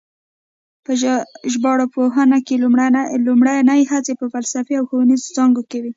په ژبارواپوهنه کې لومړنۍ هڅې په فلسفي او ښوونیزو څانګو کې وې